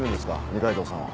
二階堂さんは。